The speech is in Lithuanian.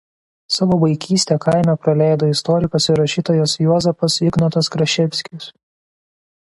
Savo vaikystę kaime praleido istorikas ir rašytojas Juozapas Ignotas Kraševskis.